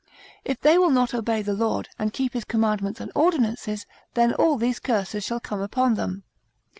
If they will not obey the Lord, and keep his commandments and ordinances, then all these curses shall come upon them.